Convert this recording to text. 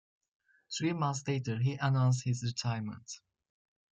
Three months later, he announced his retirement.